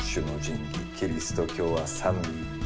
キリスト教は「三位一体」。